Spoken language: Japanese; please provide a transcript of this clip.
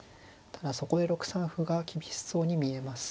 ただそこで６三歩が厳しそうに見えます。